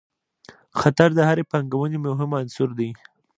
خطر د هرې پانګونې مهم عنصر دی.